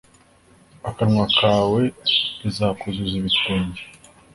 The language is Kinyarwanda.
akanwa kawe izakuzuza ibitwenge,